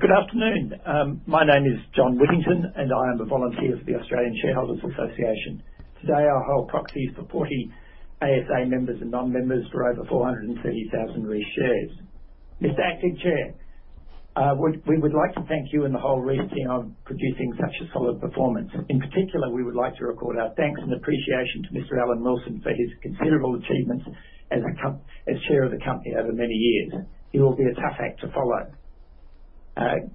Good afternoon. My name is John Whittington and I am a volunteer for the Australian Shareholders' Association. Today, I hold proxies for 40 ASA members and non-members for over 430,000 Reece shares. Mr. Acting Chair, we would like to thank you and the whole Reece team on producing such a solid performance. In particular, we would like to record our thanks and appreciation to Mr. Alan Wilson for his considerable achievements as chair of the company over many years. He will be a tough act to follow.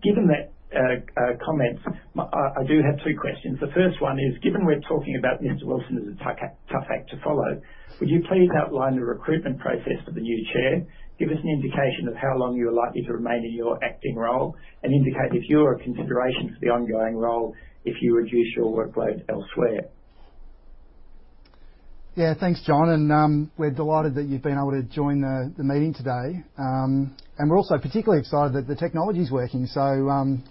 Given that, I do have two questions. The first one is, given we're talking about Mr. Wilson as a tough act to follow, would you please outline the recruitment process for the new chair? Give us an indication of how long you're likely to remain in your acting role and indicate if you're a consideration for the ongoing role if you reduce your workload elsewhere? Yeah. Thanks, John. We're delighted that you've been able to join the meeting today. We're also particularly excited that the technology's working,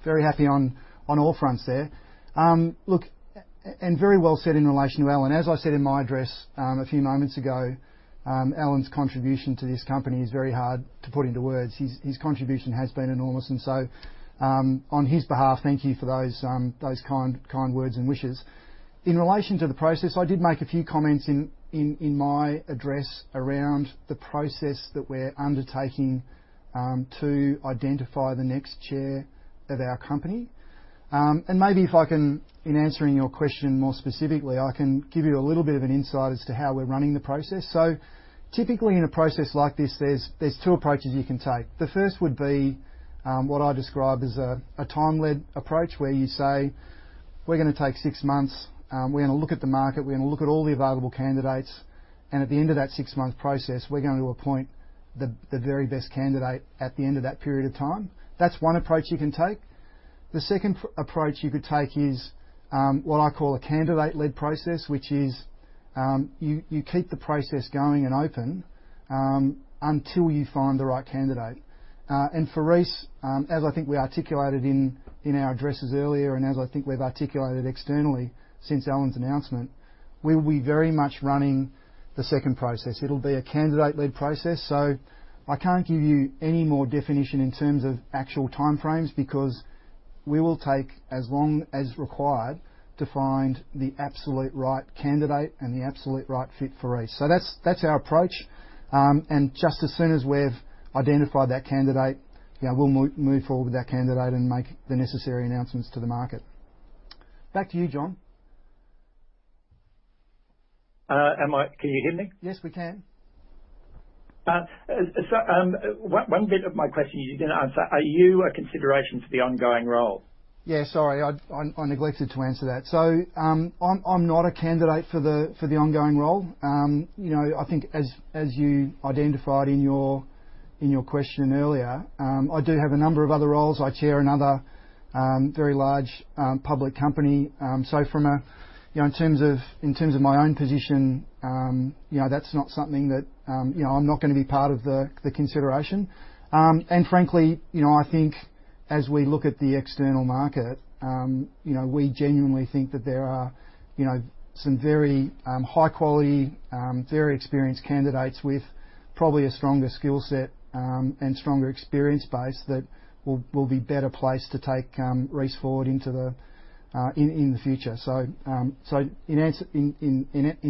very happy on all fronts there. Very well said in relation to Alan. As I said in my address, a few moments ago, Alan's contribution to this company is very hard to put into words. His contribution has been enormous. On his behalf, thank you for those kind words and wishes. In relation to the process, I did make a few comments in my address around the process that we're undertaking to identify the next chair of our company. Maybe if I can, in answering your question more specifically, I can give you a little bit of an insight as to how we're running the process. Typically, in a process like this, there's two approaches you can take. The first would be what I describe as a time-led approach, where you say, "We're gonna take six months. We're gonna look at the market. We're gonna look at all the available candidates. At the end of that six-month process, we're going to appoint the very best candidate at the end of that period of time." That's one approach you can take. The second approach you could take is what I call a candidate-led process, which is you keep the process going and open until you find the right candidate. For Reece, as I think we articulated in our addresses earlier and as I think we've articulated externally since Alan's announcement, we'll be very much running the second process. It'll be a candidate-led process. I can't give you any more definition in terms of actual time frames, because we will take as long as required to find the absolute right candidate and the absolute right fit for Reece. That's our approach. Just as soon as we've identified that candidate, yeah, we'll move forward with that candidate and make the necessary announcements to the market. Back to you, John. Can you hear me? Yes, we can. One bit of my question you didn't answer. Are you a consideration for the ongoing role? Yeah, sorry. I neglected to answer that. I'm not a candidate for the ongoing role. You know, I think as you identified in your question earlier, I do have a number of other roles. I chair another very large public company. From a you know in terms of my own position, you know, that's not something that you know I'm not gonna be part of the consideration. Frankly, you know, I think as we look at the external market, you know, we genuinely think that there are, you know, some very high quality, very experienced candidates with probably a stronger skill set and stronger experience base that will be better placed to take Reece forward into the future. In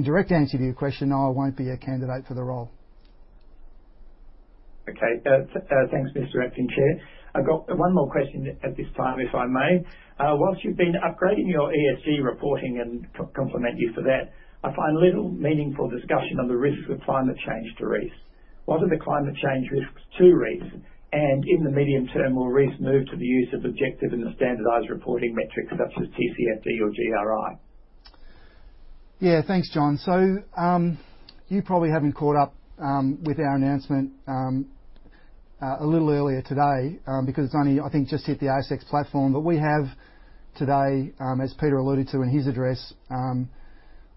direct answer to your question, no, I won't be a candidate for the role. Okay. Thanks, Mr. Acting Chair. I've got one more question at this time, if I may. While you've been upgrading your ESG reporting and compliment you for that, I find little meaningful discussion on the risks of climate change to Reece. What are the climate change risks to Reece? In the medium term, will Reece move to the use of objective and standardized reporting metrics such as TCFD or GRI? Yeah. Thanks, John. You probably haven't caught up with our announcement a little earlier today, because it's only I think just hit the ASX platform. We have today, as Peter alluded to in his address,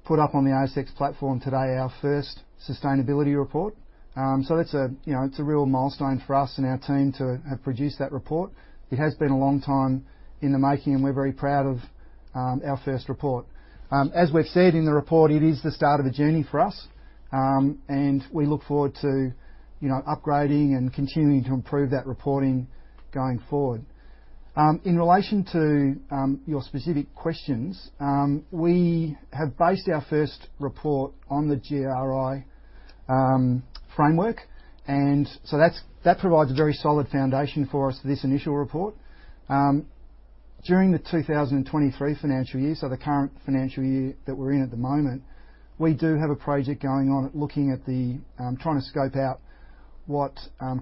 put up on the ASX platform today our first sustainability report. That's a, you know, it's a real milestone for us and our team to have produced that report. It has been a long time in the makin and we're very proud of our first report. As we've said in the report, it is the start of a journey for us, and we look forward to, you know, upgrading and continuing to improve that reporting going forward. In relation to your specific questions, we have based our first report on the GRI framework and so that provides a very solid foundation for us for this initial report. During the 2023 financial year, so the current financial year that we're in at the moment, we do have a project going on looking at trying to scope out what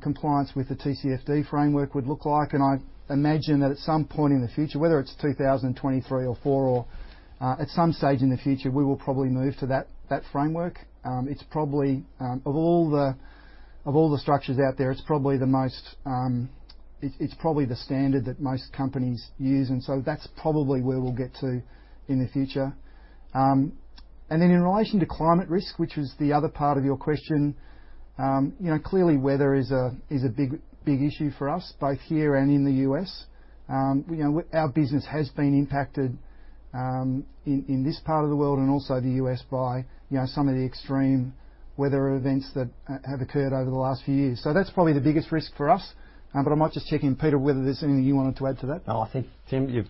compliance with the TCFD framework would look like. I imagine that at some point in the future, whether it's 2023 or 2024 or at some stage in the future, we will probably move to that framework. It's probably, of all the structures out there, it's probably the most. It's probably the standard that most companies use and so that's probably where we'll get to in the future. In relation to climate risk, which was the other part of your question, you know, clearly weather is a big issue for us both here and in the U.S. You know, our business has been impacted in this part of the world and also the U.S. by, you know, some of the extreme weather events that have occurred over the last few years. So that's probably the biggest risk for us. I might just check in, Peter, whether there's anything you wanted to add to that. No, I think, Tim, you've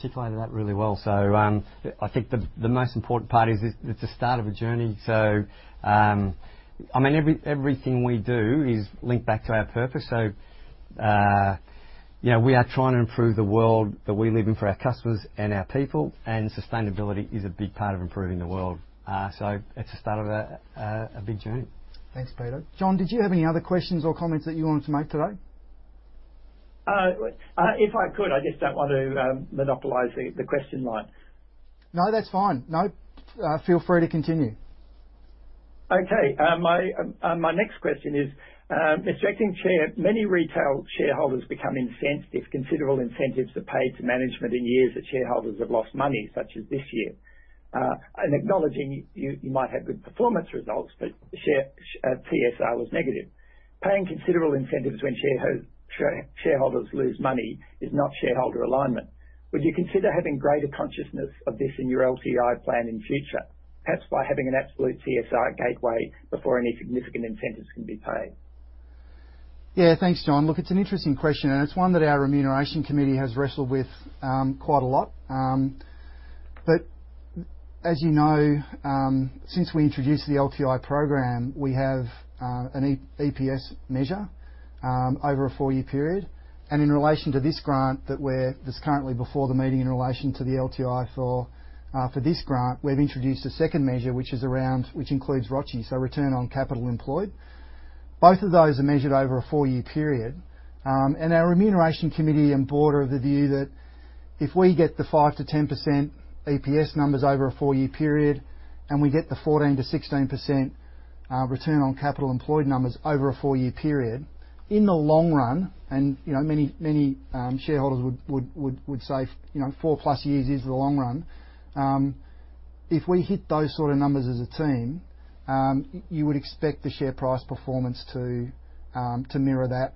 signified that really well. I think the most important part is it's a start of a journey. I mean, everything we do is linked back to our purpose. You know, we are trying to improve the world that we live in for our customers and our people, and sustainability is a big part of improving the world. It's the start of a big journey. Thanks, Peter. John, did you have any other questions or comments that you wanted to make today? If I could, I just don't want to monopolize the question line. No, that's fine. No, feel free to continue. Okay. My next question is respecting the Chair, many retail shareholders become incensed if considerable incentives are paid to management in years that shareholders have lost money, such as this year. Acknowledging you might have good performance results, but TSR was negative. Paying considerable incentives when shareholders lose money is not shareholder alignment. Would you consider having greater consciousness of this in your LTI plan in future, perhaps by having an absolute TSR gateway before any significant incentives can be paid? Yeah. Thanks, John. Look, it's an interesting question, and it's one that our Remuneration Committee has wrestled with quite a lot. As you know, since we introduced the LTI program, we have an EPS measure over a four-year period. In relation to this grant that's currently before the meeting in relation to the LTI for this grant, we've introduced a second measure which includes ROCE, so Return on Capital Employed. Both of those are measured over a four-year period. Our Remuneration Committee and board are of the view that if we get the 5%-10% EPS numbers over a four-year period, and we get the 14%-16% return on capital employed numbers over a four-year period, in the long run, you know, many shareholders would say, you know, 4+ years is the long run, if we hit those sort of numbers as a team, you would expect the share price performance to mirror that.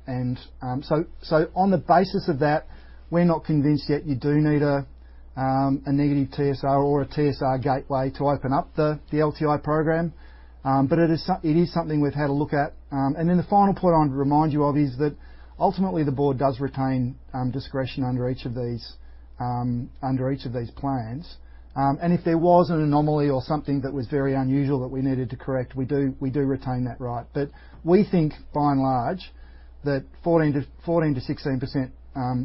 So on the basis of that, we're not convinced yet you do need a negative TSR or a TSR gateway to open up the LTI program. It is something we've had a look at. The final point I want to remind you of is that ultimately the board does retain discretion under each of these plans. If there was an anomaly or something that was very unusual that we needed to correct, we do retain that right. We think by and large, that 14%-16%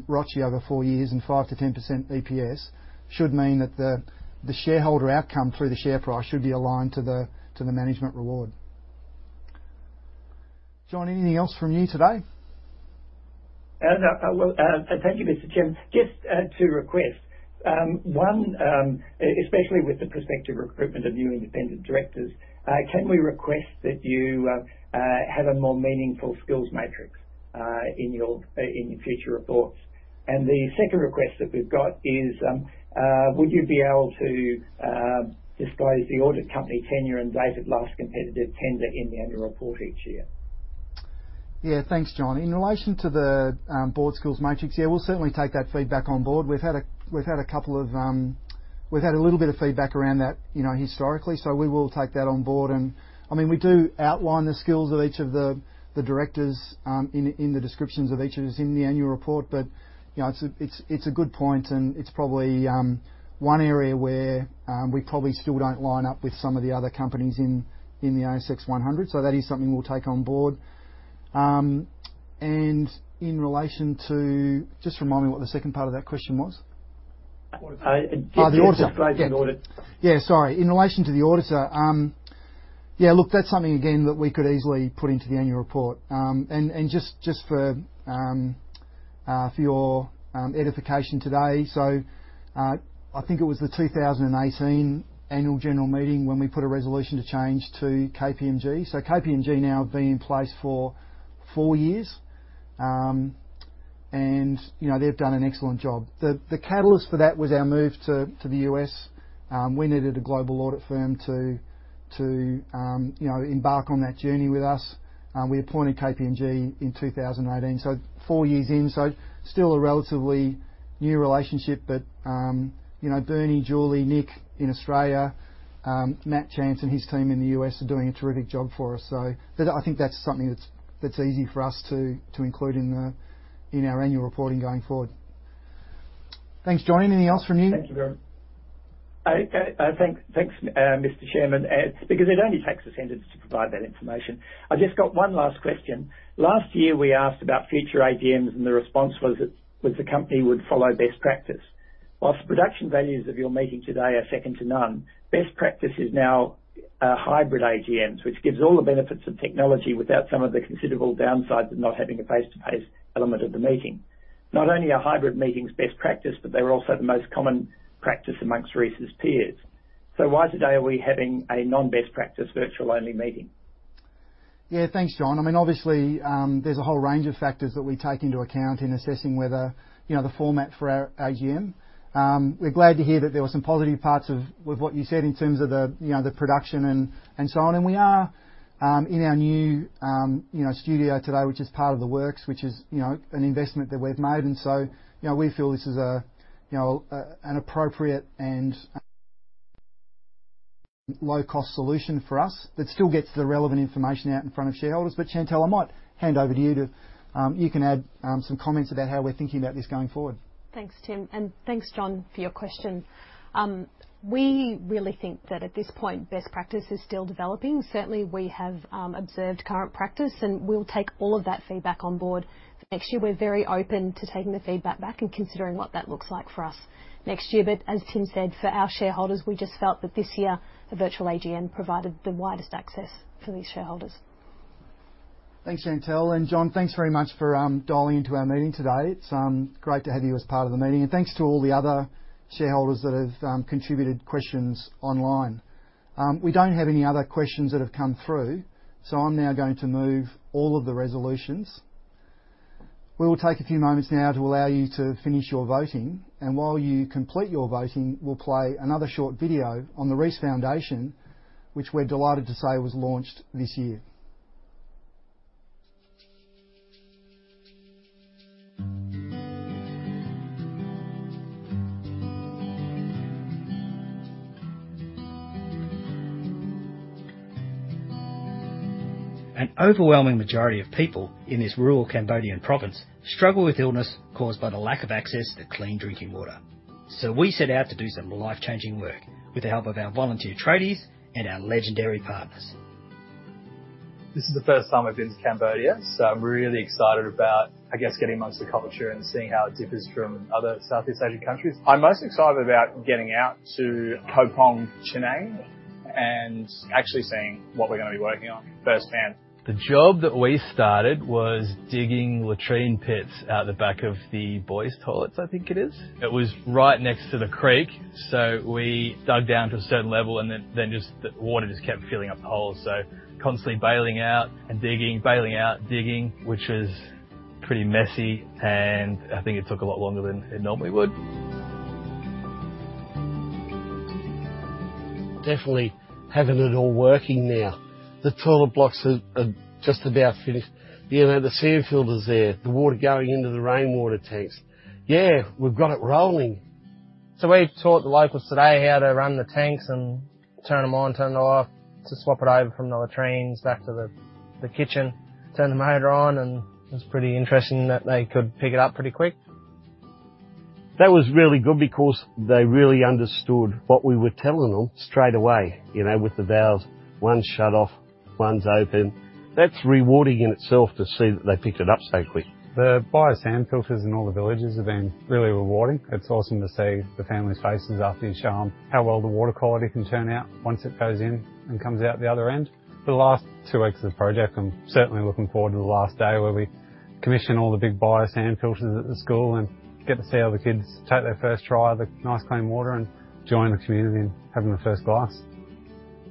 ROCE over four years and 5%-10% EPS should mean that the shareholder outcome through the share price should be aligned to the management reward. John, anything else from you today? Well, thank you, Mr. Chairman. Just two requests. One, especially with the prospective recruitment of new independent directors, can we request that you have a more meaningful skills matrix in your future reports? The second request that we've got is, would you be able to disclose the audit company tenure and date of last competitive tender in the annual report each year? Yeah. Thanks, John. In relation to the board skills matrix, yeah, we'll certainly take that feedback on board. We've had a little bit of feedback around that, you know, historically, so we will take that on board. I mean, we do outline the skills of each of the directors in the descriptions of each of us in the annual report. You know, it's a good point, and it's probably one area where we probably still don't line up with some of the other companies in the ASX 100, so that is something we'll take on board. Just remind me what the second part of that question was. Auditor. Oh, the auditor. Date of last competitive audit. Yeah. Sorry. In relation to the auditor, yeah, look, that's something again that we could easily put into the annual report. Just for your edification today, I think it was the 2018 annual general meeting when we put a resolution to change to KPMG. KPMG now have been in place for 4 years, and, you know, they've done an excellent job. The catalyst for that was our move to the U.S. We needed a global audit firm to you know, embark on that journey with us. We appointed KPMG in 2018, so four years in, so still a relatively new relationship. You know, Bernie, Julie, Nick in Australia, Matt Chance and his team in the U.S. are doing a terrific job for us. That, I think that's something that's easy for us to include in our annual reporting going forward. Thanks, John. Anything else from you? Thank you, Mr. Chairman. It's because it only takes a sentence to provide that information. I've just got one last question. Last year, we asked about future AGMs, and the response was that the company would follow best practice. While the production values of your meeting today are second to none, best practice is now hybrid AGMs, which gives all the benefits of technology without some of the considerable downsides of not having a face-to-face element of the meeting. Not only are hybrid meetings best practice, but they're also the most common practice among Reece's peers. Why today are we having a non-best practice virtual only meeting? Yeah, thanks, John. I mean, obviously, there's a whole range of factors that we take into account in assessing whether, you know, the format for our AGM. We're glad to hear that there were some positive parts with what you said in terms of the, you know, the production and so on. We are in our new studio today, which is part of The Works, which is, you know, an investment that we've made. You know, we feel this is a, you know, an appropriate and low-cost solution for us that still gets the relevant information out in front of shareholders. But Chantelle, I might hand over to you can add some comments about how we're thinking about this going forward. Thanks, Tim, and thanks John for your question. We really think that at this point, best practice is still developing. Certainly we have observed current practice and we'll take all of that feedback on board next year. We're very open to taking the feedback back and considering what that looks like for us next year. As Tim said, for our shareholders, we just felt that this year, the virtual AGM provided the widest access for these shareholders. Thanks, Chantelle. John, thanks very much for dialing into our meeting today. It's great to have you as part of the meeting. Thanks to all the other shareholders that have contributed questions online. We don't have any other questions that have come through, so I'm now going to move all of the resolutions. We'll take a few moments now to allow you to finish your voting and while you complete your voting, we'll play another short video on the Reece Foundation, which we're delighted to say was launched this year. An overwhelming majority of people in this rural Cambodian province struggle with illness caused by the lack of access to clean drinking water. We set out to do some life-changing work with the help of our volunteer tradies and our legendary partners. This is the first time I've been to Cambodia, so I'm really excited about, I guess, getting amongst the culture and seeing how it differs from other Southeast Asian countries. I'm most excited about getting out to Kampong Chhnang and actually seeing what we're gonna be working on firsthand. The job that we started was digging latrine pits out the back of the boys' toilets, I think it is. It was right next to the creek, so we dug down to a certain level and then just the water just kept filling up the hole. Constantly bailing out and digging, which was pretty messy, and I think it took a lot longer than it normally would. Definitely having it all working now. The toilet blocks are just about finished. You know, the sand filter's there, the water going into the rainwater tanks. Yeah, we've got it rolling. We taught the locals today how to run the tanks and turn 'em on, turn 'em off. To swap it over from the latrines back to the kitchen. Turn the motor on and it was pretty interesting that they could pick it up pretty quick. That was really good because they really understood what we were telling them straight away, you know, with the valves. One's shut off, one's open. That's rewarding in itself to see that they picked it up so quick. The bio sand filters in all the villages have been really rewarding. It's awesome to see the families' faces after you show 'em how well the water quality can turn out once it goes in and comes out the other end. The last two weeks of the project, I'm certainly looking forward to the last day where we commission all the big bio sand filters at the school and get to see all the kids take their first try of the nice clean water and join the community in having the first glass.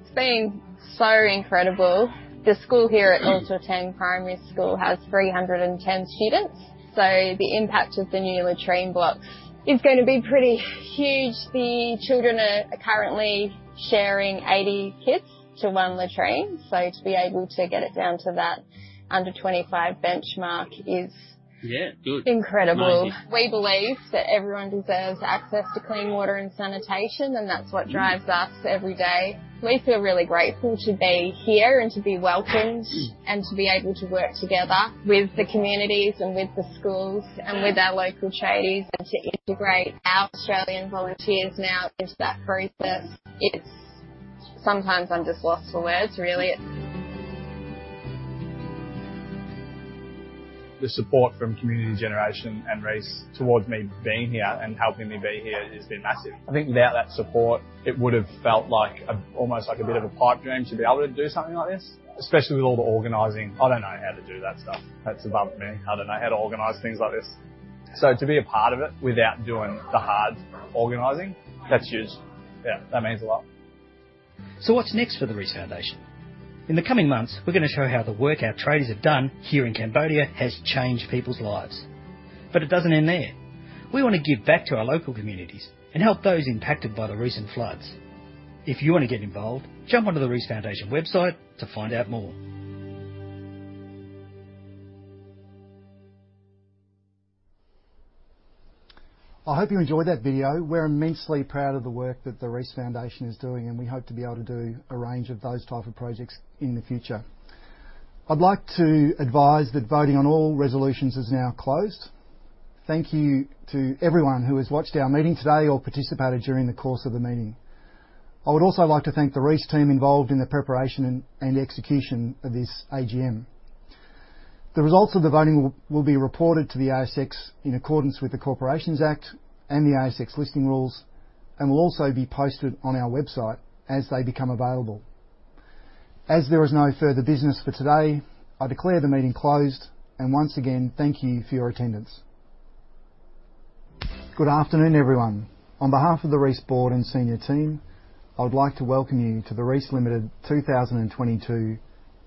It's been so incredible. The school here at Ithuteng Primary School has 310 students, so the impact of the new latrine blocks is gonna be pretty huge. The children are currently sharing 80 pits to one latrine, so to be able to get it down to that under 25 benchmark is. Yeah. Good. incredible. Nice. We believe that everyone deserves access to clean water and sanitation, and that's what drives us every day. We feel really grateful to be here and to be welcomed and to be able to work together with the communities and with the schools and with our local tradies and to integrate our Australian volunteers now into that process. Sometimes I'm just lost for words, really. The support from Community Generation and Reece towards me being here and helping me be here has been massive. I think without that support, it would've felt like almost like a bit of a pipe dream to be able to do something like this, especially with all the organizing. I don't know how to do that stuff. That's above me. I don't know how to organize things like this. To be a part of it without doing the hard organizing, that's huge. Yeah. That means a lot. What's next for the Reece Foundation? In the coming months, we're gonna show how the work our tradies have done here in Cambodia has changed people's lives. It doesn't end there. We wanna give back to our local communities and help those impacted by the recent floods. If you wanna get involved, jump onto the Reece Foundation website to find out more. I hope you enjoyed that video. We're immensely proud of the work that the Reece Foundation is doing, and we hope to be able to do a range of those type of projects in the future. I'd like to advise that voting on all resolutions is now closed. Thank you to everyone who has watched our meeting today or participated during the course of the meeting. I would also like to thank the Reece team involved in the preparation and execution of this AGM. The results of the voting will be reported to the ASX in accordance with the Corporations Act and the ASX Listing Rules, and will also be posted on our website as they become available. As there is no further business for today, I declare the meeting closed and once again, thank you for your attendance. Good afternoon, everyone. On behalf of the Reece board and senior team, I would like to welcome you to the Reece Limited 2022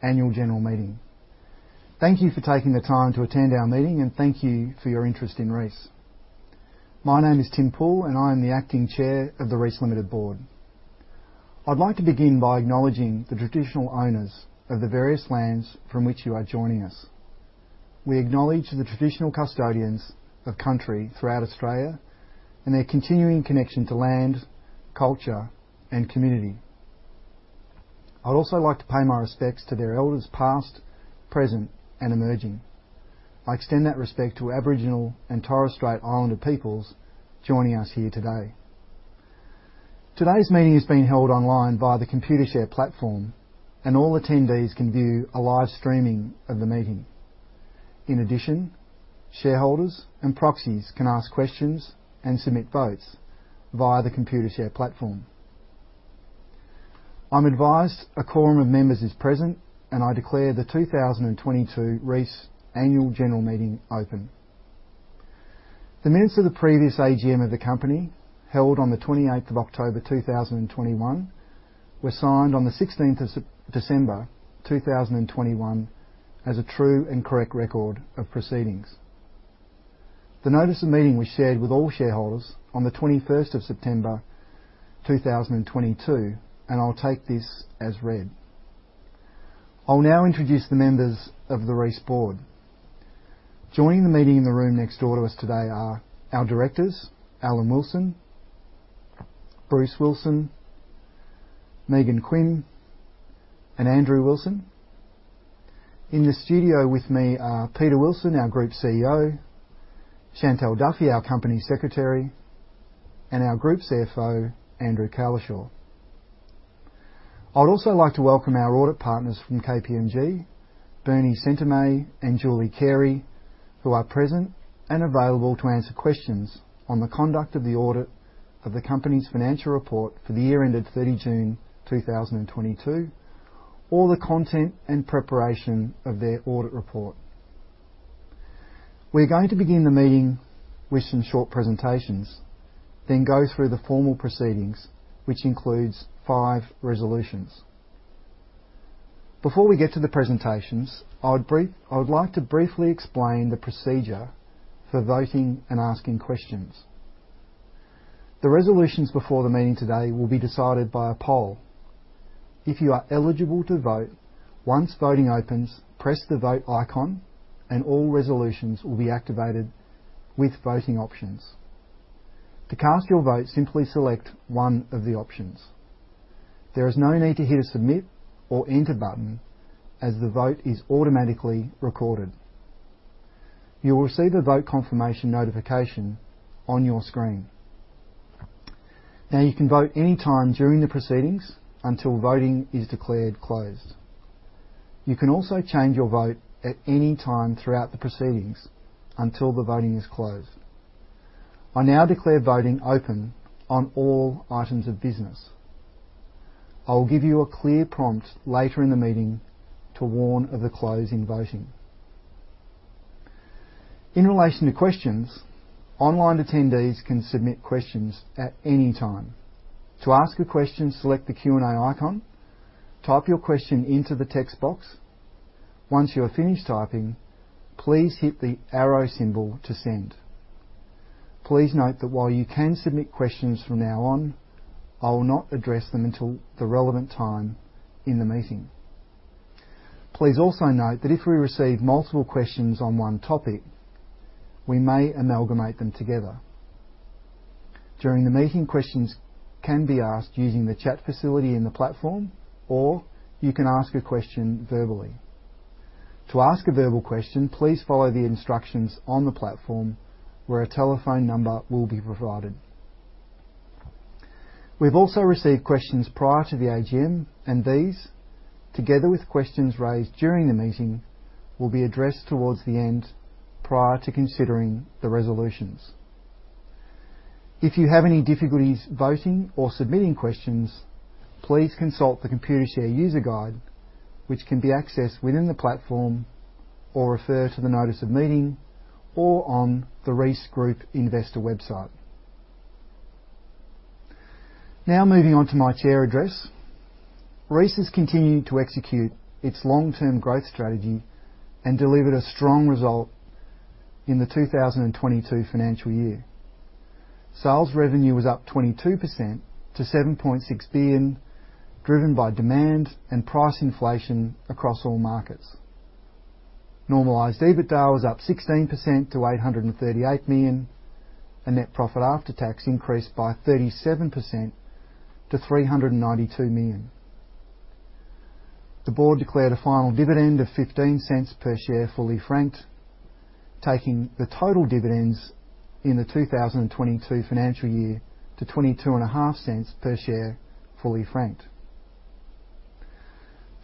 Annual General Meeting. Thank you for taking the time to attend our meeting and thank you for your interest in Reece. My name is Tim Poole and I am the Acting Chair of the Reece Limited board. I'd like to begin by acknowledging the traditional owners of the various lands from which you are joining us. We acknowledge the traditional custodians of country throughout Australia and their continuing connection to land, culture, and community. I'd also like to pay my respects to their elders past, present, and emerging. I extend that respect to Aboriginal and Torres Strait Islander peoples joining us here today. Today's meeting is being held online via the Computershare platform and all attendees can view a live streaming of the meeting. In addition, shareholders and proxies can ask questions and submit votes via the Computershare platform. I'm advised a quorum of members is present, and I declare the 2022 Reece Annual General Meeting open. The minutes of the previous AGM of the company, held on the 28th of October 2021, were signed on the 16th of December 2021 as a true and correct record of proceedings. The notice of meeting was shared with all shareholders on the 21st of September 2022, and I'll take this as read. I'll now introduce the members of the Reece board. Joining the meeting in the room next door to us today are our directors, Alan Wilson, Bruce Wilson, Megan Quinn, and Andrew Wilson. In the studio with me are Peter Wilson, our Group CEO, Chantelle Duffy, our Company Secretary, and our Group CFO, Andrew Cowlishaw. I'd also like to welcome our audit partners from KPMG, Bernie Szentirmay and Julie Carey, who are present and available to answer questions on the conduct of the audit of the company's financial report for the year ended 30 June 2022, or the content and preparation of their audit report. We're going to begin the meeting with some short presentations, then go through the formal proceedings, which includes five resolutions. Before we get to the presentations, I would like to briefly explain the procedure for voting and asking questions. The resolutions before the meeting today will be decided by a poll. If you are eligible to vote, once voting opens, press the Vote icon and all resolutions will be activated with voting options. To cast your vote, simply select one of the options. There is no need to hit a Submit or Enter button as the vote is automatically recorded. You will receive a vote confirmation notification on your screen. Now, you can vote any time during the proceedings until voting is declared closed. You can also change your vote at any time throughout the proceedings until the voting is closed. I now declare voting open on all items of business. I will give you a clear prompt later in the meeting to warn of the closing voting. In relation to questions, online attendees can submit questions at any time. To ask a question, select the Q&A icon. Type your question into the text box. Once you are finished typing, please hit the arrow symbol to send. Please note that while you can submit questions from now on, I will not address them until the relevant time in the meeting. Please also note that if we receive multiple questions on one topic, we may amalgamate them together. During the meeting, questions can be asked using the chat facility in the platform or you can ask a question verbally. To ask a verbal question, please follow the instructions on the platform, where a telephone number will be provided. We've also received questions prior to the AGM, and these, together with questions raised during the meeting, will be addressed towards the end, prior to considering the resolutions. If you have any difficulties voting or submitting questions, please consult the Computershare user guide, which can be accessed within the platform, or refer to the notice of meeting or on the Reece Group investor website. Now moving on to my chair address. Reece has continued to execute its long-term growth strategy and delivered a strong result in the 2022 financial year. Sales revenue was up 22% to 7.6 billion, driven by demand and price inflation across all markets. Normalized EBITDA was up 16% to 838 million, and net profit after tax increased by 37% to 392 million. The board declared a final dividend of 0.15 per share, fully franked, taking the total dividends in the 2022 financial year to 0.225 per share, fully franked.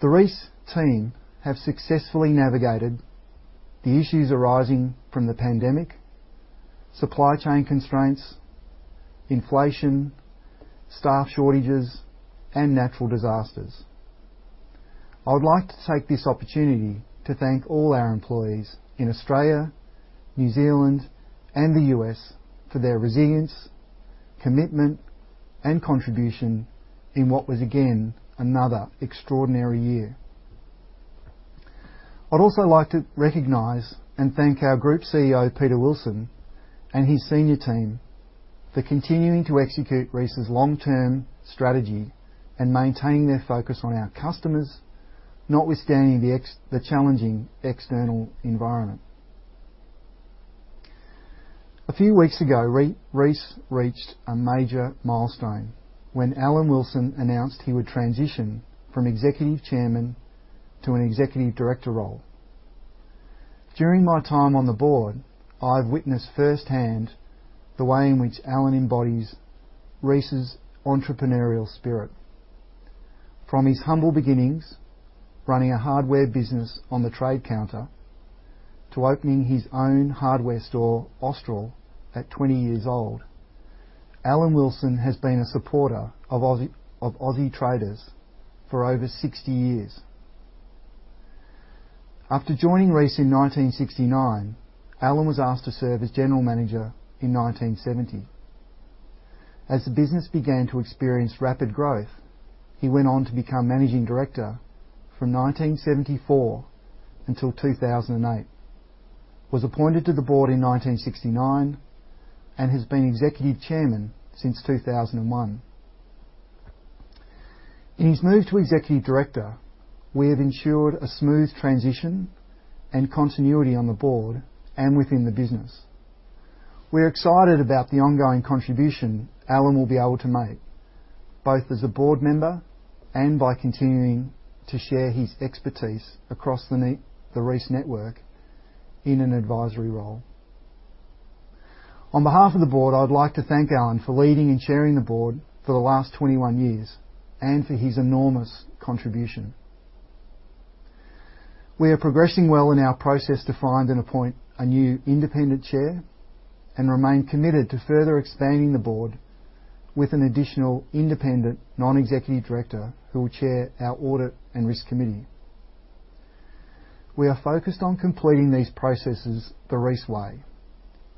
The Reece team have successfully navigated the issues arising from the pandemic, supply chain constraints, inflation, staff shortages, and natural disasters. I would like to take this opportunity to thank all our employees in Australia, New Zealand, and the U.S. for their resilience, commitment, and contribution in what was again another extraordinary year. I'd also like to recognize and thank our Group CEO, Peter Wilson, and his senior team for continuing to execute Reece's long-term strategy and maintaining their focus on our customers, notwithstanding the challenging external environment. A few weeks ago, Reece reached a major milestone when Alan Wilson announced he would transition from Executive Chairman to an Executive Director role. During my time on the board, I've witnessed firsthand the way in which Alan embodies Reece's entrepreneurial spirit. From his humble beginnings running a hardware business on the trade counter to opening his own hardware store, Austral, at 20 years old, Alan Wilson has been a supporter of Aussie, of Aussie traders for over 60 years. After joining Reece in 1969, Alan was asked to serve as General Manager in 1970. As the business began to experience rapid growth, he went on to become Managing Director from 1974 until 2008, was appointed to the board in 1969, and has been Executive Chairman since 2001. In his move to Executive Director, we have ensured a smooth transition and continuity on the board and within the business. We're excited about the ongoing contribution Alan will be able to make, both as a board member and by continuing to share his expertise across the Reece network in an advisory role. On behalf of the board, I would like to thank Alan for leading and chairing the board for the last 21 years, and for his enormous contribution. We are progressing well in our process to find and appoint a new independent chair, and remain committed to further expanding the board with an additional independent non-executive director who will chair our Audit and Risk Committee. We are focused on completing these processes the Reece way,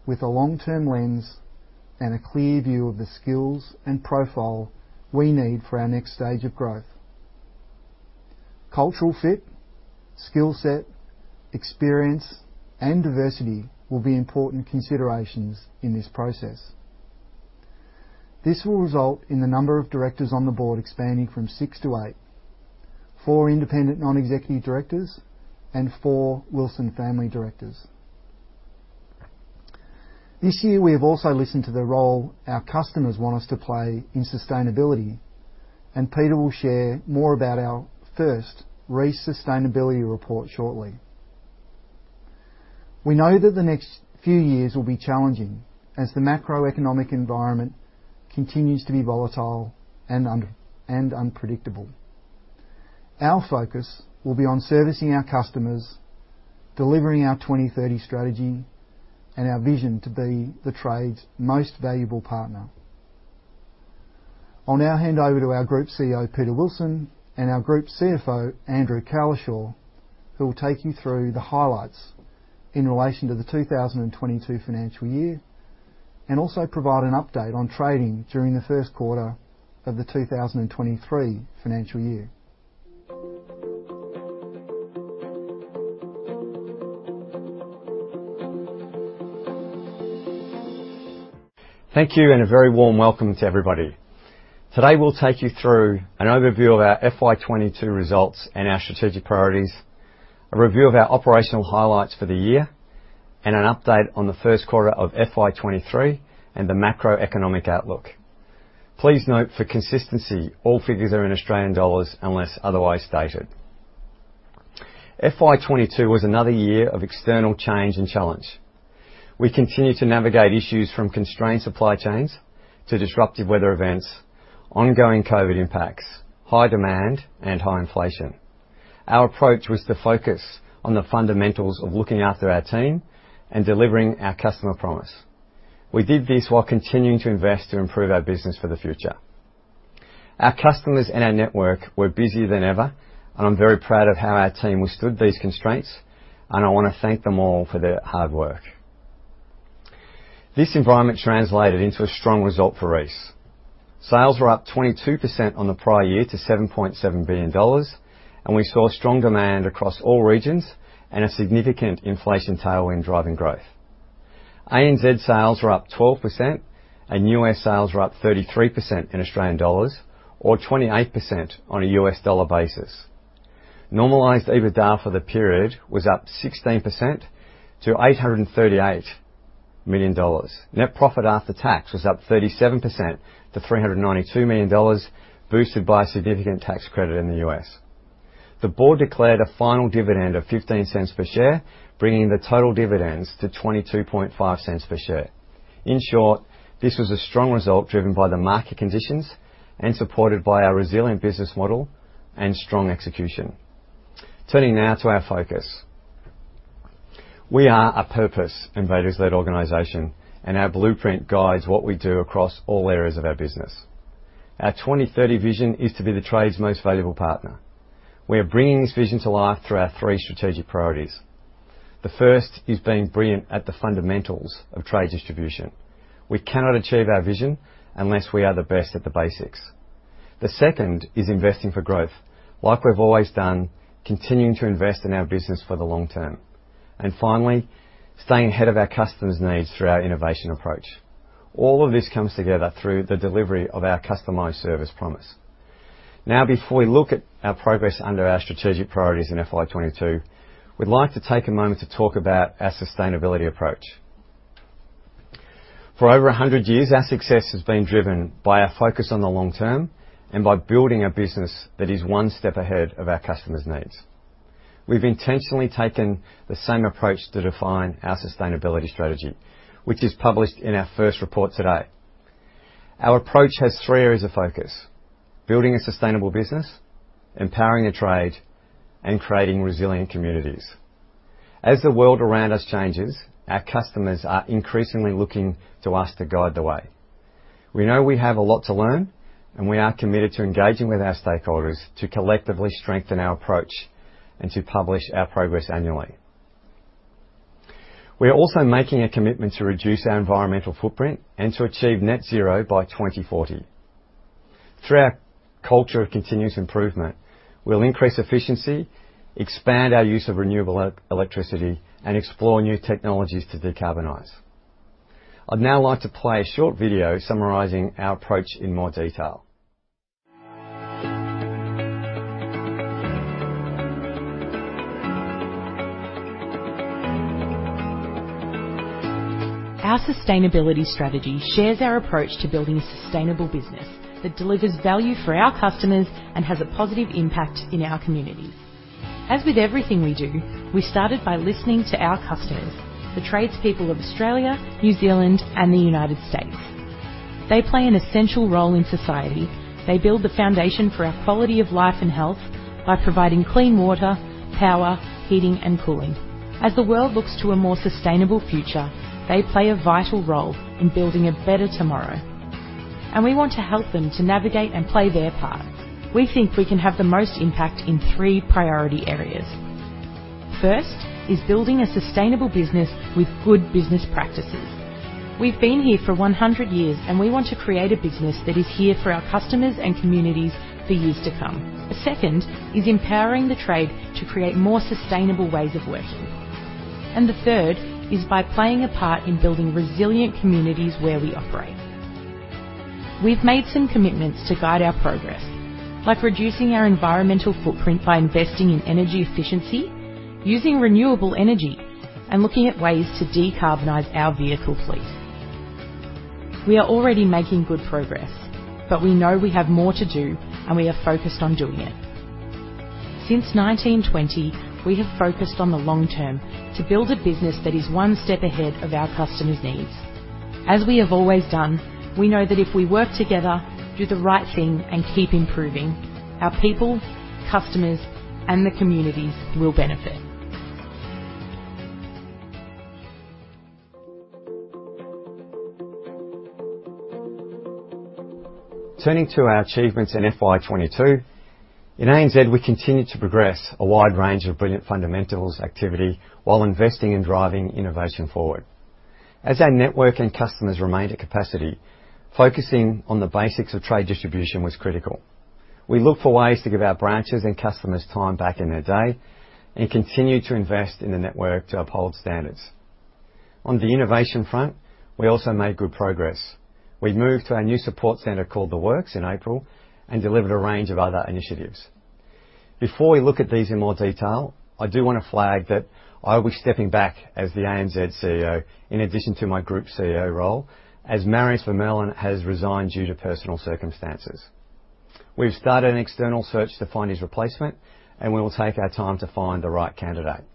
with a long-term lens and a clear view of the skills and profile we need for our next stage of growth. Cultural fit, skill set, experience, and diversity will be important considerations in this process. This will result in the number of directors on the board expanding from six to eight, four independent non-executive directors and four Wilson family directors. This year, we have also listened to the role our customers want us to play in sustainability, and Peter will share more about our first Reece Sustainability Report shortly. We know that the next few years will be challenging as the macroeconomic environment continues to be volatile and uncertain and unpredictable. Our focus will be on servicing our customers, delivering our 2030 strategy, and our vision to be the trade's most valuable partner. I'll now hand over to our Group CEO, Peter Wilson, and our Group CFO, Andrew Cowlishaw, who will take you through the highlights in relation to the 2022 financial year, and also provide an update on trading during the first quarter of the 2023 financial year. Thank you, and a very warm welcome to everybody. Today, we'll take you through an overview of our FY22 results and our strategic priorities, a review of our operational highlights for the year, and an update on the first quarter of FY23, and the macroeconomic outlook. Please note for consistency, all figures are in AUD unless otherwise stated. FY22 was another year of external change and challenge. We continue to navigate issues from constrained supply chains to disruptive weather events, ongoing COVID impacts, high demand, and high inflation. Our approach was to focus on the fundamentals of looking after our team and delivering our customer promise. We did this while continuing to invest to improve our business for the future. Our customers and our network were busier than ever, and I'm very proud of how our team withstood these constraints, and I wanna thank them all for their hard work. This environment translated into a strong result for Reece. Sales were up 22% on the prior year to 7.7 billion dollars, and we saw strong demand across all regions and a significant inflation tailwind driving growth. ANZ sales were up 12% and US sales were up 33% in Australian dollars or 28% on a US dollar basis. Normalized EBITDA for the period was up 16% to 838 million dollars. Net profit after tax was up 37% to 392 million dollars, boosted by a significant tax credit in the US. The board declared a final dividend of 0.15 per share, bringing the total dividends to 0.225 per share. In short, this was a strong result driven by the market conditions and supported by our resilient business model and strong execution. Turning now to our focus. We are a purpose and values-led organization and our blueprint guides what we do across all areas of our business. Our 2030 vision is to be the trade's most valuable partner. We are bringing this vision to life through our three strategic priorities. The first is being brilliant at the fundamentals of trade distribution. We cannot achieve our vision unless we are the best at the basics. The second is investing for growth like we've always done, continuing to invest in our business for the long term and finally, staying ahead of our customers' needs through our innovation approach. All of this comes together through the delivery of our customized service promise. Now, before we look at our progress under our strategic priorities in FY22, we'd like to take a moment to talk about our sustainability approach. For over a hundred years, our success has been driven by our focus on the long term and by building a business that is one step ahead of our customers' needs. We've intentionally taken the same approach to define our sustainability strategy, which is published in our first report today. Our approach has three areas of focus, building a sustainable business, empowering the trade, and creating resilient communities. As the world around us changes, our customers are increasingly looking to us to guide the way. We know we have a lot to learn, and we are committed to engaging with our stakeholders to collectively strengthen our approach and to publish our progress annually. We are also making a commitment to reduce our environmental footprint and to achieve net zero by 2040. Through our culture of continuous improvement, we'll increase efficiency, expand our use of renewable electricity, and explore new technologies to decarbonize. I'd now like to play a short video summarizing our approach in more detail. Our sustainability strategy shares our approach to building a sustainable business that delivers value for our customers and has a positive impact in our community. As with everything we do, we started by listening to our customers, the tradespeople of Australia, New Zealand, and the United States. They play an essential role in society. They build the foundation for our quality of life and health by providing clean water, power, heating, and cooling. As the world looks to a more sustainable future, they play a vital role in building a better tomorrow, and we want to help them to navigate and play their part. We think we can have the most impact in three priority areas. First is building a sustainable business with good business practices. We've been here for 100 years, and we want to create a business that is here for our customers and communities for years to come. The second is empowering the trade to create more sustainable ways of working. The third is by playing a part in building resilient communities where we operate. We've made some commitments to guide our progress, like reducing our environmental footprint by investing in energy efficiency, using renewable energy, and looking at ways to decarbonize our vehicle fleet. We are already making good progress, but we know we have more to do, and we are focused on doing it. Since 1920, we have focused on the long term to build a business that is one step ahead of our customers' needs. As we have always done, we know that if we work together, do the right thing, and keep improving, our people, customers, and the communities will benefit. Turning to our achievements in FY22. In ANZ, we continued to progress a wide range of brilliant fundamentals activity while investing in driving innovation forward. As our network and customers remained at capacity, focusing on the basics of trade distribution was critical. We looked for ways to give our branches and customers time back in their day and continued to invest in the network to uphold standards. On the innovation front, we also made good progress. We moved to our new support center, called The Works, in April and delivered a range of other initiatives. Before we look at these in more detail, I do wanna flag that I'll be stepping back as the ANZ CEO in addition to my group CEO role, as Marius Vermeulen has resigned due to personal circumstances. We've started an external search to find his replacement, and we will take our time to find the right candidate.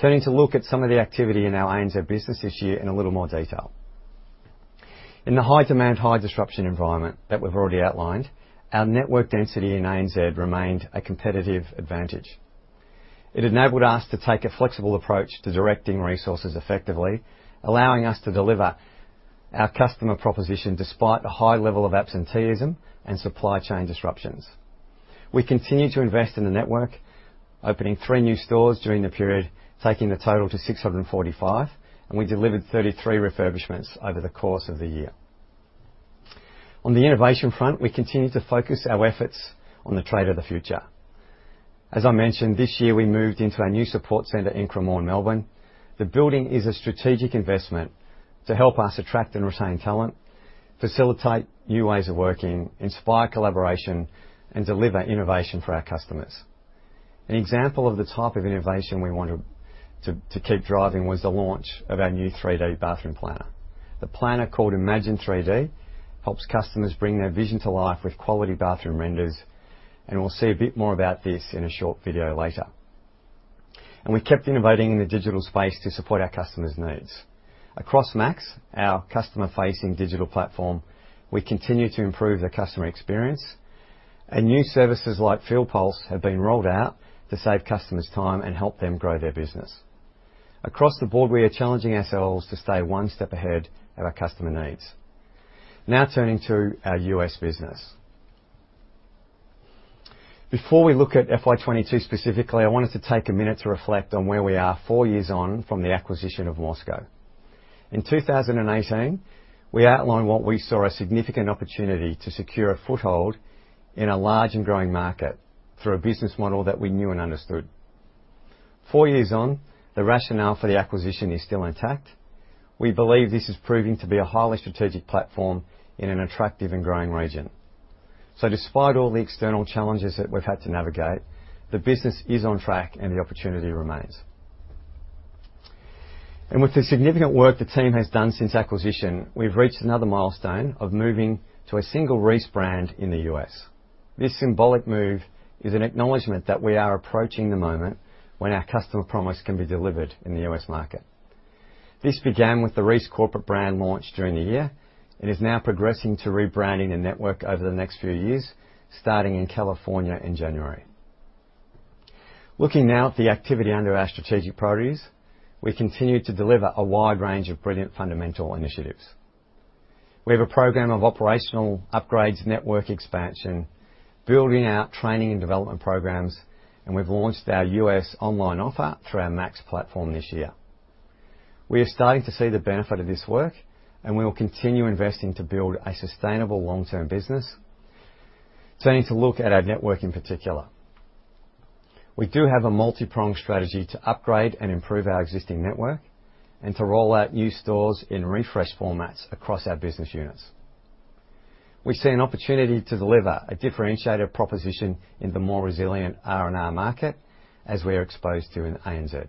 Turning to look at some of the activity in our ANZ business this year in a little more detail. In the high-demand, high-disruption environment that we've already outlined, our network density in ANZ remained a competitive advantage. It enabled us to take a flexible approach to directing resources effectively, allowing us to deliver our customer proposition despite the high level of absenteeism and supply chain disruptions. We continued to invest in the network, opening three new stores during the period, taking the total to 645, and we delivered 33 refurbishments over the course of the year. On the innovation front, we continued to focus our efforts on the trade of the future. As I mentioned, this year, we moved into our new support center in Cremorne, Melbourne. The building is a strategic investment to help us attract and retain talent, facilitate new ways of working, inspire collaboration, and deliver innovation for our customers. An example of the type of innovation we want to keep driving was the launch of our new 3D bathroom planner. The planner, called Imagin3D, helps customers bring their vision to life with quality bathroom renders, and we'll see a bit more about this in a short video later. We kept innovating in the digital space to support our customers' needs. Across maX, our customer-facing digital platform, we continue to improve the customer experience, and new services like FieldPulse have been rolled out to save customers time and help them grow their business. Across the board, we are challenging ourselves to stay one step ahead of our customer needs. Now turning to our U.S. business. Before we look at FY22 specifically, I wanted to take a minute to reflect on where we are four years on from the acquisition of MORSCO. In 2018, we outlined what we saw as a significant opportunity to secure a foothold in a large and growing market through a business model that we knew and understood. Four years on, the rationale for the acquisition is still intact. We believe this is proving to be a highly strategic platform in an attractive and growing region. Despite all the external challenges that we've had to navigate, the business is on track, and the opportunity remains. With the significant work the team has done since acquisition, we've reached another milestone of moving to a single Reece brand in the U.S. This symbolic move is an acknowledgment that we are approaching the moment when our customer promise can be delivered in the U.S. market. This began with the Reece corporate brand launch during the year and is now progressing to rebranding the network over the next few years, starting in California in January. Looking now at the activity under our strategic priorities, we continue to deliver a wide range of brilliant fundamental initiatives. We have a program of operational upgrades, network expansion, building out training and development programs, and we've launched our U.S. online offer through our maX platform this year. We are starting to see the benefit of this work, and we will continue investing to build a sustainable long-term business. Turning to look at our network in particular. We do have a multipronged strategy to upgrade and improve our existing network and to roll out new stores in refreshed formats across our business units. We see an opportunity to deliver a differentiated proposition in the more resilient R&R market, as we are exposed to in ANZ.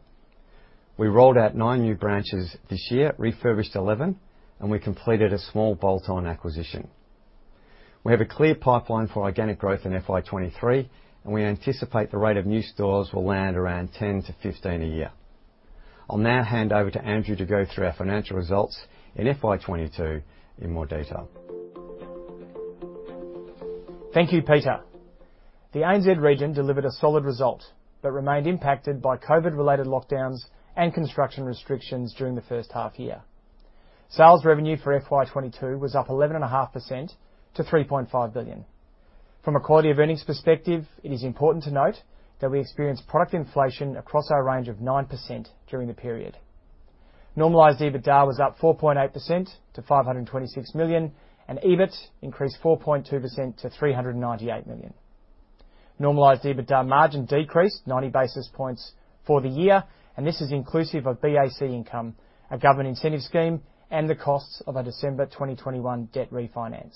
We rolled out nine new branches this year, refurbished 11, and we completed a small bolt-on acquisition. We have a clear pipeline for organic growth in FY23, and we anticipate the rate of new stores will land around 10-15 a year. I'll now hand over to Andrew to go through our financial results in FY22 in more detail. Thank you, Peter. The ANZ region delivered a solid result, remained impacted by COVID-related lockdowns and construction restrictions during the first half year. Sales revenue for FY22 was up 11.5% to 3.5 billion. From a quality of earnings perspective, it is important to note that we experienced product inflation across our range of 9% during the period. Normalized EBITDA was up 4.8% to 526 million, and EBIT increased 4.2% to 398 million. Normalized EBITDA margin decreased 90 basis points for the year, and this is inclusive of BAC income, a government incentive scheme, and the costs of our December 2021 debt refinance.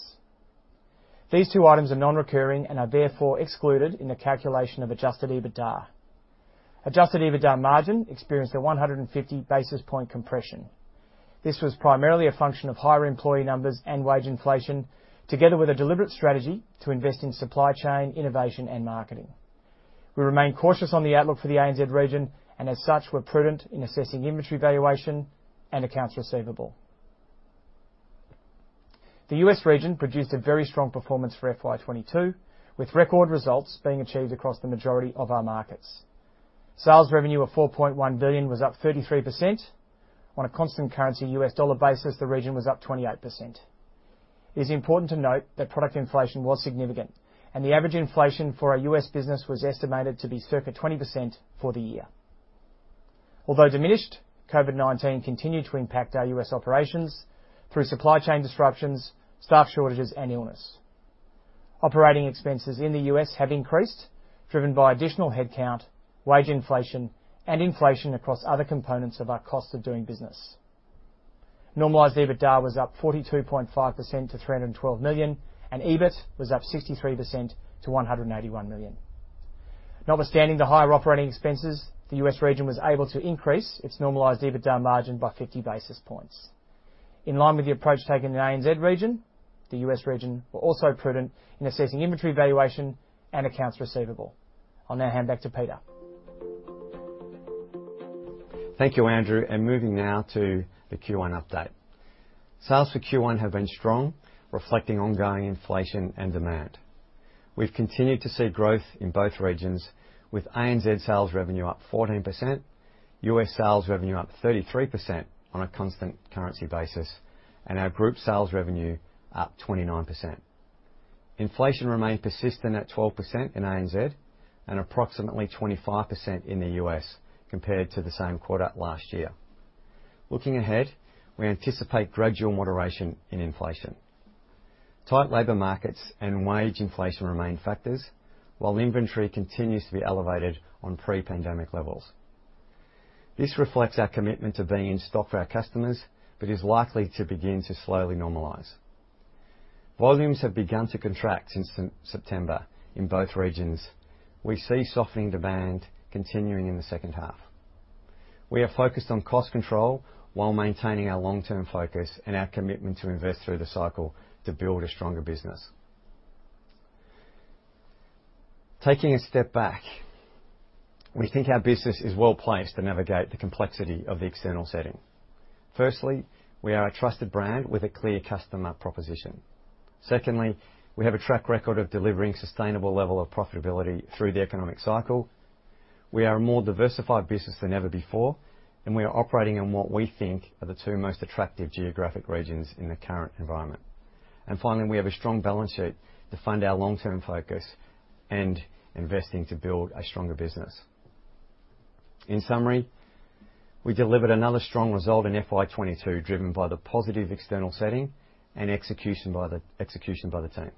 These two items are non-recurring and are therefore excluded in the calculation of adjusted EBITDA. Adjusted EBITDA margin experienced a 150 basis points compression. This was primarily a function of higher employee numbers and wage inflation, together with a deliberate strategy to invest in supply chain, innovation, and marketing. We remain cautious on the outlook for the ANZ region and as such, we're prudent in assessing inventory valuation and accounts receivable. The US region produced a very strong performance for FY22, with record results being achieved across the majority of our markets. Sales revenue of 4.1 billion was up 33%. On a constant currency US dollar basis, the region was up 28%. It is important to note that product inflation was significant, and the average inflation for our US business was estimated to be circa 20% for the year. Although diminished, COVID-19 continued to impact our US operations through supply chain disruptions, staff shortages, and illness. Operating expenses in the U.S. have increased, driven by additional headcount, wage inflation, and inflation across other components of our cost of doing business. Normalized EBITDA was up 42.5% to 312 million, and EBIT was up 63% to 181 million. Notwithstanding the higher operating expenses, the U.S. region was able to increase its normalized EBITDA margin by 50 basis points. In line with the approach taken in the ANZ region, the U.S. region were also prudent in assessing inventory valuation and accounts receivable. I'll now hand back to Peter. Thank you, Andrew. Moving now to the Q1 update. Sales for Q1 have been strong, reflecting ongoing inflation and demand. We've continued to see growth in both regions with ANZ sales revenue up 14%, US sales revenue up 33% on a constant currency basis, and our group sales revenue up 29%. Inflation remained persistent at 12% in ANZ and approximately 25% in the US compared to the same quarter last year. Looking ahead, we anticipate gradual moderation in inflation. Tight labor markets and wage inflation remain factors, while inventory continues to be elevated on pre-pandemic levels. This reflects our commitment to being in stock for our customers but is likely to begin to slowly normalize. Volumes have begun to contract since September in both regions. We see softening demand continuing in the second half. We are focused on cost control while maintaining our long-term focus and our commitment to invest through the cycle to build a stronger business. Taking a step back, we think our business is well-placed to navigate the complexity of the external setting. Firstly, we are a trusted brand with a clear customer proposition. Secondly, we have a track record of delivering sustainable level of profitability through the economic cycle. We are a more diversified business than ever before, and we are operating on what we think are the two most attractive geographic regions in the current environment. Finally, we have a strong balance sheet to fund our long-term focus and investing to build a stronger business. In summary, we delivered another strong result in FY22, driven by the positive external setting and execution by the team.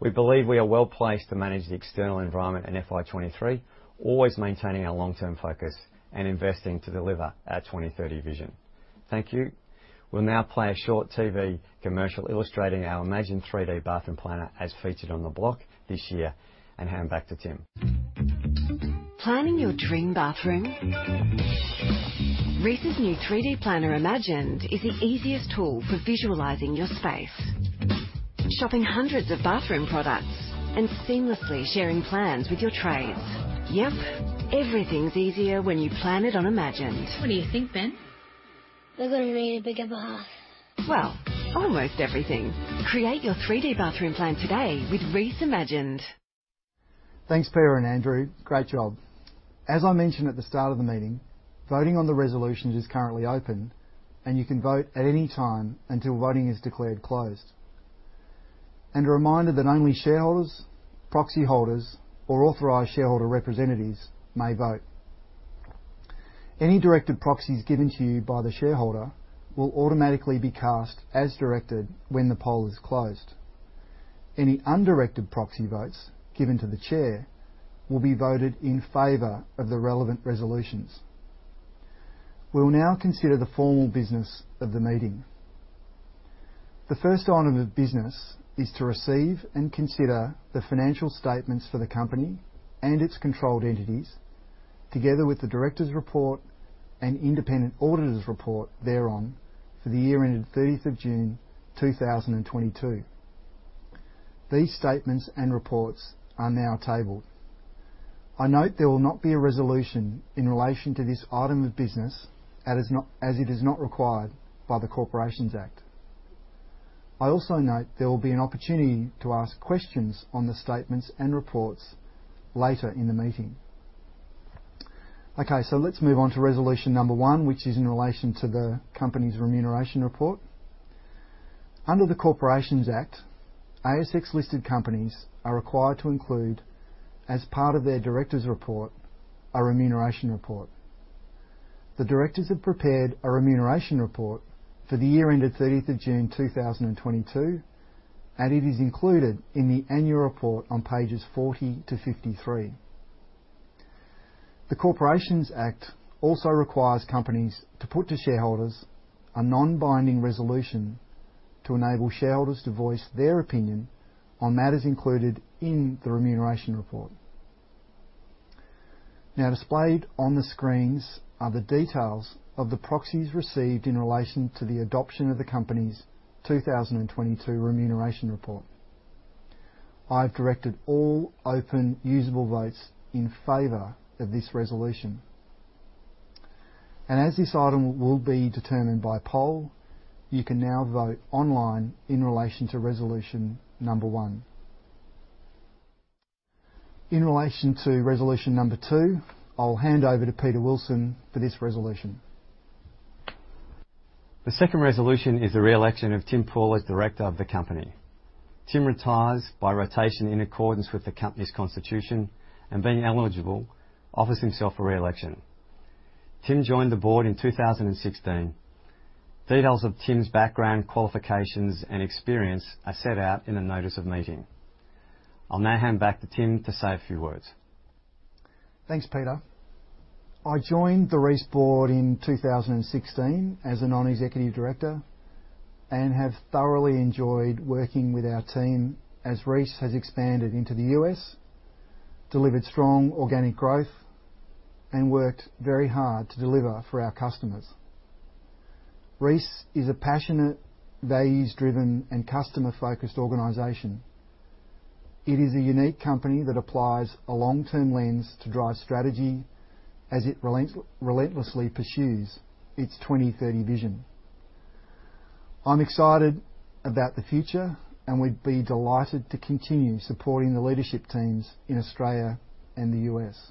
We believe we are well-placed to manage the external environment in FY23, always maintaining our long-term focus and investing to deliver our 2030 vision. Thank you. We'll now play a short TV commercial illustrating our Imagin3D 3D Bathroom Planner as featured on The Block this year and hand back to Tim. Planning your dream bathroom? Reece's new 3D planner, Imagin3D, is the easiest tool for visualizing your space. Shopping hundreds of bathroom products and seamlessly sharing plans with your trades. Yep. Everything's easier when you plan it on Imagin3D. What do you think, Ben? We're gonna need a bigger bath. Well, almost everything. Create your 3D bathroom plan today with Reece Imagin3D. Thanks, Peter and Andrew. Great job. As I mentioned at the start of the meeting, voting on the resolutions is currently open, and you can vote at any time until voting is declared closed. A reminder that only shareholders, proxy holders or authorized shareholder representatives may vote. Any directed proxies given to you by the shareholder will automatically be cast as directed when the poll is closed. Any undirected proxy votes given to the chair will be voted in favor of the relevant resolutions. We'll now consider the formal business of the meeting. The first item of business is to receive and consider the financial statements for the company and its controlled entities, together with the directors' report and independent auditors' report thereon for the year ended 30th of June 2022. These statements and reports are now tabled. I note there will not be a resolution in relation to this item of business as it is not required by the Corporations Act. I also note there will be an opportunity to ask questions on the statements and reports later in the meeting. Okay, let's move on to resolution number one, which is in relation to the company's remuneration report. Under the Corporations Act, ASX-listed companies are required to include, as part of their directors' report, a remuneration report. The directors have prepared a remuneration report for the year ended 30th of June 2022, and it is included in the annual report on pages 40 to 53. The Corporations Act also requires companies to put to shareholders a non-binding resolution to enable shareholders to voice their opinion on matters included in the remuneration report. Now, displayed on the screens are the details of the proxies received in relation to the adoption of the company's 2022 remuneration report. I've directed all open, usable votes in favor of this resolution. As this item will be determined by poll, you can now vote online in relation to resolution number one. In relation to resolution number two, I'll hand over to Peter Wilson for this resolution. The second resolution is the reelection of Tim Poole as director of the company. Tim retires by rotation in accordance with the company's constitution and being eligible, offers himself for reelection. Tim joined the board in 2016. Details of Tim's background, qualifications, and experience are set out in the notice of meeting. I'll now hand back to Tim to say a few words. Thanks, Peter. I joined the Reece board in 2016 as a non-executive director and have thoroughly enjoyed working with our team as Reece has expanded into the U.S., delivered strong organic growth, and worked very hard to deliver for our customers. Reece is a passionate, values-driven, and customer-focused organization. It is a unique company that applies a long-term lens to drive strategy as it relentlessly pursues its 2030 vision. I'm excited about the future and would be delighted to continue supporting the leadership teams in Australia and the U.S.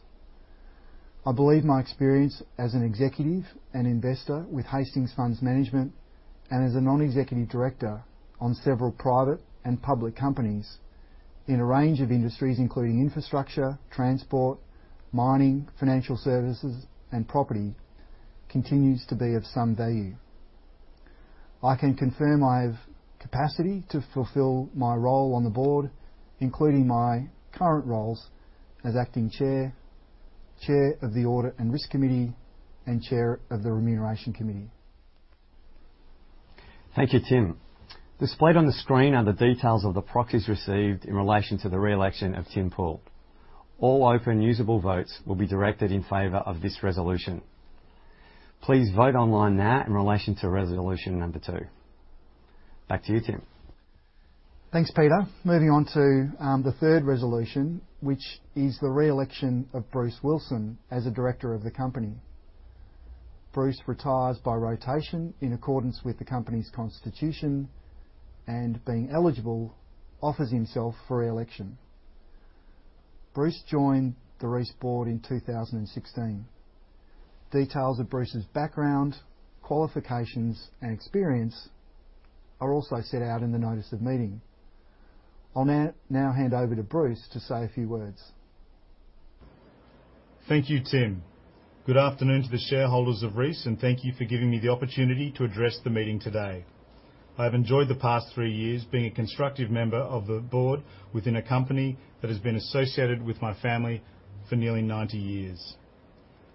I believe my experience as an executive and investor with Hastings Funds Management and as a non-executive director on several private and public companies in a range of industries, including infrastructure, transport, mining, financial services, and property, continues to be of some value. I can confirm I have capacity to fulfill my role on the board, including my current roles as Acting Chair of the Audit and Risk Committee, and Chair of the Remuneration Committee. Thank you, Tim. Displayed on the screen are the details of the proxies received in relation to the reelection of Tim Poole. All open, usable votes will be directed in favor of this resolution. Please vote online now in relation to resolution number two. Back to you, Tim. Thanks, Peter. Moving on to the third resolution, which is the re-election of Bruce Wilson as a director of the company. Bruce retires by rotation in accordance with the company's constitution, and being eligible, offers himself for re-election. Bruce joined the Reece board in 2016. Details of Bruce's background, qualifications, and experience are also set out in the notice of meeting. I'll now hand over to Bruce to say a few words. Thank you, Tim. Good afternoon to the shareholders of Reece, and thank you for giving me the opportunity to address the meeting today. I've enjoyed the past three years being a constructive member of the board within a company that has been associated with my family for nearly 90 years.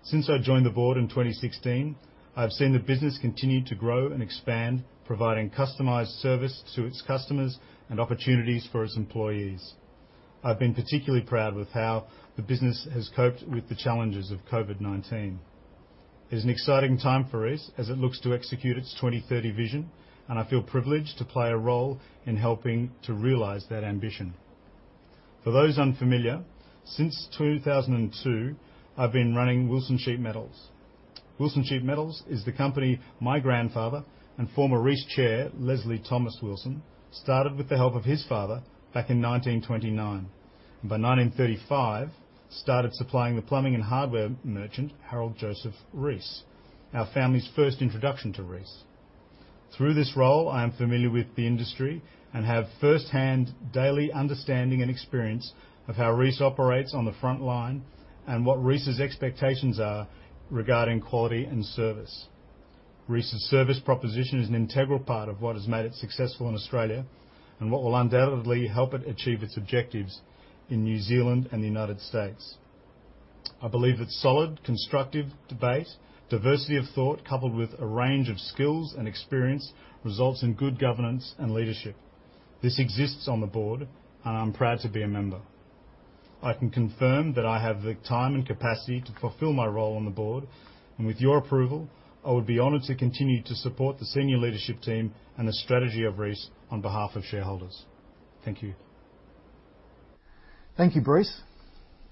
Since I joined the board in 2016, I've seen the business continue to grow and expand, providing customized service to its customers and opportunities for its employees. I've been particularly proud with how the business has coped with the challenges of COVID-19. It's an exciting time for Reece as it looks to execute its 2030 vision, and I feel privileged to play a role in helping to realize that ambition. For those unfamiliar, since 2002, I've been running Wilsons Sheet Metals. Wilsons Sheet Metals is the company my grandfather and former Reece Chair, Leslie Thomas Wilson, started with the help of his father back in 1929. By 1935, started supplying the plumbing and hardware merchant, Harold Joseph Reece, our family's first introduction to Reece. Through this role, I am familiar with the industry and have first-hand daily understanding and experience of how Reece operates on the front line and what Reece's expectations are regarding quality and service. Reece's service proposition is an integral part of what has made it successful in Australia and what will undoubtedly help it achieve its objectives in New Zealand and the United States. I believe that solid, constructive debate, diversity of thought, coupled with a range of skills and experience, results in good governance and leadership. This exists on the board, and I'm proud to be a member. I can confirm that I have the time and capacity to fulfill my role on the board, and with your approval, I would be honored to continue to support the senior leadership team and the strategy of Reece on behalf of shareholders. Thank you. Thank you, Bruce.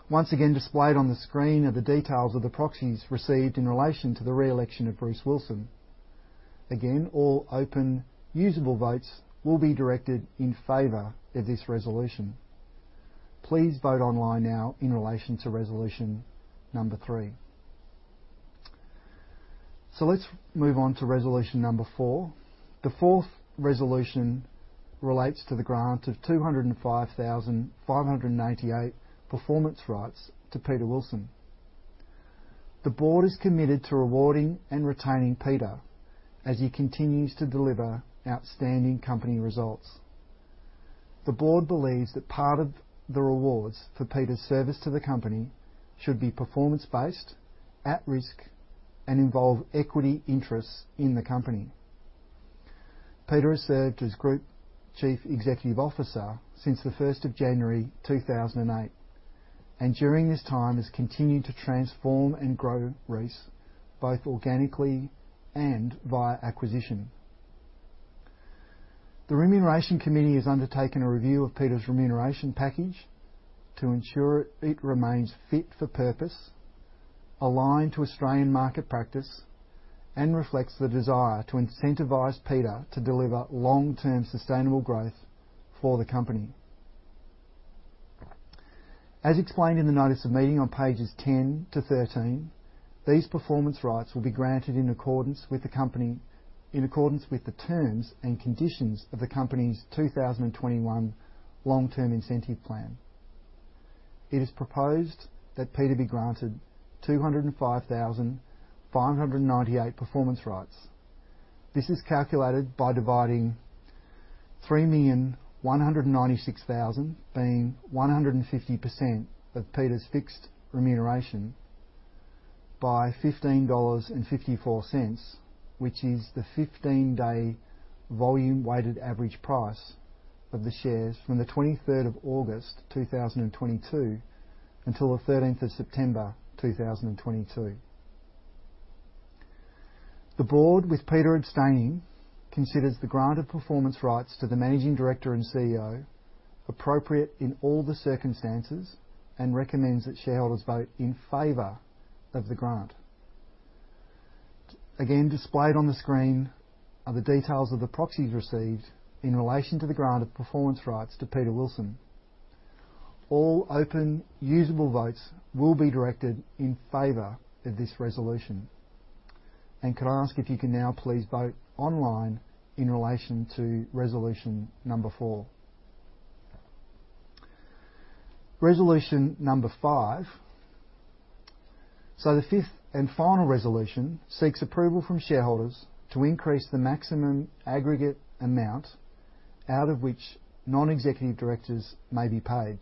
Once again, displayed on the screen are the details of the proxies received in relation to the re-election of Bruce Wilson. Again, all open, usable votes will be directed in favor of this resolution. Please vote online now in relation to resolution three. Let's move on to resolution four. The fourth resolution relates to the grant of 205,598 performance rights to Peter Wilson. The board is committed to rewarding and retaining Peter as he continues to deliver outstanding company results. The board believes that part of the rewards for Peter's service to the company should be performance-based, at-risk, and involve equity interests in the company. Peter has served as Group Chief Executive Officer since January 1, 2008, and during this time has continued to transform and grow Reece, both organically and via acquisition. The Remuneration Committee has undertaken a review of Peter's remuneration package to ensure it remains fit for purpose, aligned to Australian market practice, and reflects the desire to incentivize Peter to deliver long-term sustainable growth for the company. As explained in the notice of meeting on pages 10-13, these performance rights will be granted in accordance with the terms and conditions of the company's 2021 long-term incentive plan. It is proposed that Peter be granted 205,598 performance rights. This is calculated by dividing 3,196,000, being 150% of Peter's fixed remuneration, by 15.54 dollars, which is the 15-day volume weighted average price of the shares from the twenty-third of August 2022 until the thirteenth of September 2022. The board, with Peter abstaining, considers the granted performance rights to the managing director and CEO appropriate in all the circumstances and recommends that shareholders vote in favor of the grant. Again, displayed on the screen are the details of the proxies received in relation to the grant of performance rights to Peter Wilson. All open, usable votes will be directed in favor of this resolution. Could I ask if you can now please vote online in relation to resolution number four. Resolution number five. The fifth and final resolution seeks approval from shareholders to increase the maximum aggregate amount out of which non-executive directors may be paid.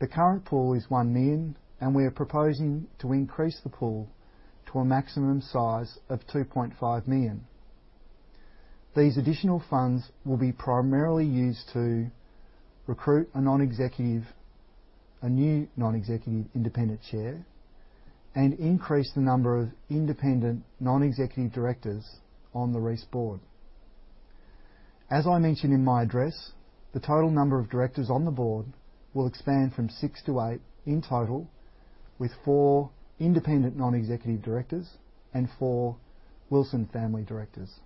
The current pool is 1 million, and we are proposing to increase the pool to a maximum size of 2.5 million. These additional funds will be primarily used to recruit a non-executive, a new non-executive independent chair, and increase the number of independent non-executive directors on the Reece board. As I mentioned in my address, the total number of directors on the board will expand from six to eight in total, with four independent non-executive directors and four Wilson family directors.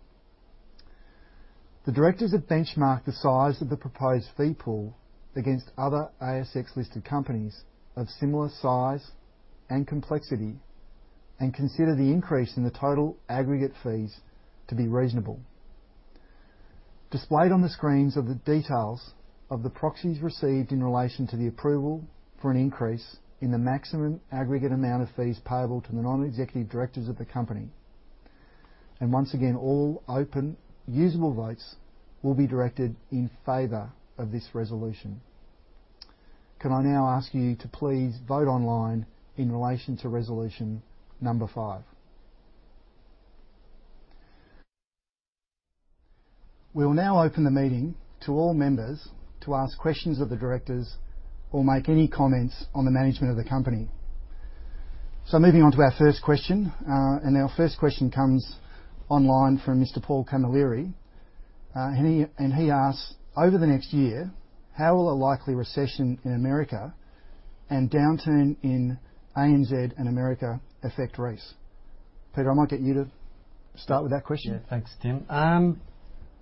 The directors have benchmarked the size of the proposed fee pool against other ASX-listed companies of similar size and complexity and consider the increase in the total aggregate fees to be reasonable. Displayed on the screens are the details of the proxies received in relation to the approval for an increase in the maximum aggregate amount of fees payable to the non-executive directors of the company. Once again, all open usable votes will be directed in favor of this resolution. Can I now ask you to please vote online in relation to resolution number five? We will now open the meeting to all members to ask questions of the directors or make any comments on the management of the company. Moving on to our first question. Our first question comes online from Mr. Paul Camilleri. He asks, "Over the next year, how will a likely recession in America and downturn in ANZ and America affect Reece?" Peter, I might get you to start with that question. Yeah. Thanks, Tim.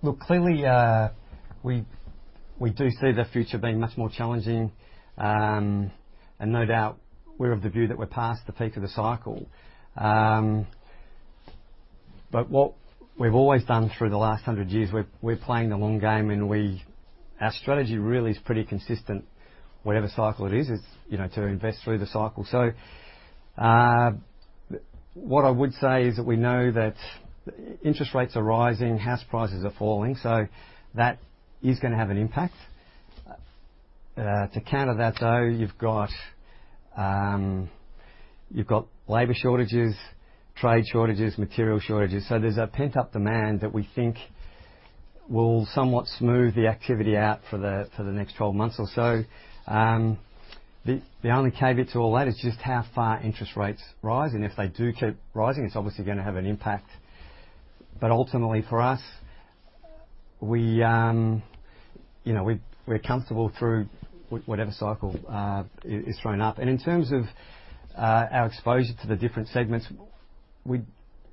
Look, clearly, we do see the future being much more challenging. No doubt, we're of the view that we're past the peak of the cycle. What we've always done through the last 100 years, we're playing the long game. Our strategy really is pretty consistent. Whatever cycle it is, you know, to invest through the cycle. What I would say is that we know that interest rates are rising, house prices are falling, so that is gonna have an impact. To counter that, though, you've got labor shortages, trade shortages, material shortages. There's a pent-up demand that we think will somewhat smooth the activity out for the next 12 months or so. The only caveat to all that is just how far interest rates rise, and if they do keep rising, it's obviously gonna have an impact. Ultimately, for us, you know, we're comfortable through whatever cycle is thrown up. In terms of our exposure to the different segments,